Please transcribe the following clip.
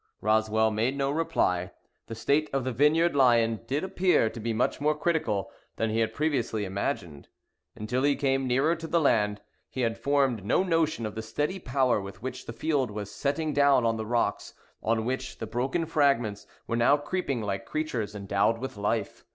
Roswell made no reply; the state of the Vineyard Lion did appear to be much more critical than he had previously imagined. Until he came nearer to the land, he had formed no notion of the steady power with which the field was setting down on the rocks on which the broken fragments were now creeping like creatures endowed with life.